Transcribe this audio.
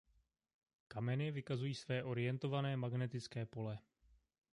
Kameny vykazují své orientované magnetické pole.